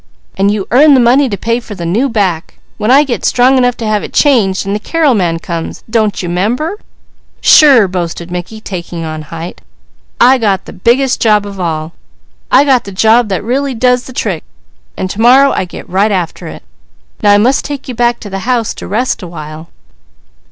An' you earn the money to pay for the new back, when I get strong enough to have it changed, an' the Carrel man comes! Don't you 'member?" "Sure!" boasted Mickey, taking on height. "I got the biggest job of all! I got the job that really does the trick, and to morrow I get right after it. Now I must take you back to the house to rest a while."